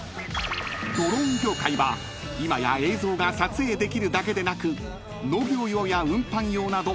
［ドローン業界は今や映像が撮影できるだけでなく農業用や運搬用など］